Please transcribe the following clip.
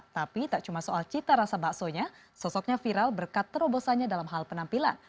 tapi tak cuma soal cita rasa baksonya sosoknya viral berkat terobosannya dalam hal penampilan